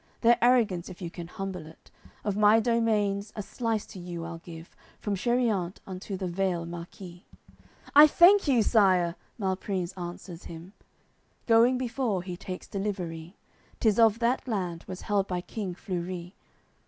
Their arrogance if you can humble it, Of my domains a slice to you I'll give From Cheriant unto the Vale Marquis." "I thank you, Sire!" Malprimes answers him; Going before, he takes delivery; 'Tis of that land, was held by king Flurit.